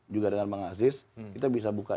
juga dengan bang aziz kita bisa buka